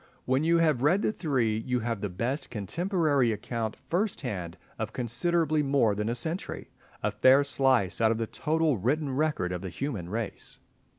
When you have read the three you have the best contemporary account first hand of considerably more than a century—a fair slice out of the total written record of the human race.